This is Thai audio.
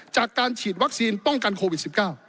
จากการฉีดวัคซีนป้องกันโควิด๑๙